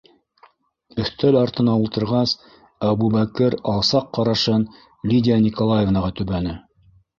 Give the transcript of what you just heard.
Өҫтәл артына ултырғас, Әбүбәкер алсаҡ ҡарашын Лидия Николаевнаға төбәне: